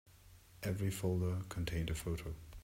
Every folder contained a photo.